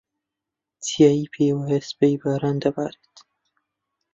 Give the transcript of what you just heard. چیایی پێی وایە سبەی باران دەبارێت.